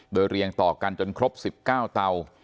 โดยเรียงต่อกันจนครบ๑๙เตา